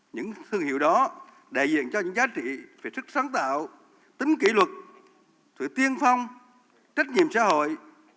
những thương hiệu đó đại diện cho những giá trị về sức sáng tạo tính kỷ luật sự tiên phong trách nhiệm xã hội